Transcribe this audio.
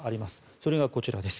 それがこちらです。